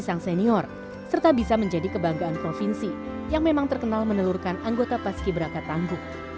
dan bisa menjadi kebanggaan provinsi yang terkenal menelurkan anggota pas kibra k